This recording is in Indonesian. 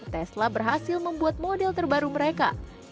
tesla berhasil membuat model terbaru mereka